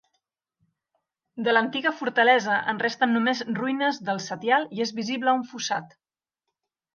De l'antiga fortalesa en resten només ruïnes del setial i és visible un fossat.